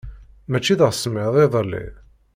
Maci d asemmiḍ iḍelli.